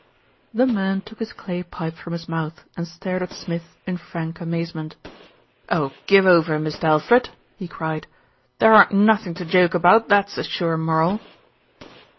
The man took his clay pipe from his mouth and stared at Smith in frank amazement. "Oh! Give over, Mist' Alfred," he cried. "There aren't narthen' to joke about, that's a sure moral."